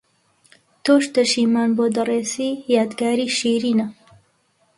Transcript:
تۆش تەشیمان بۆ دەڕێسی یادگاری شیرنە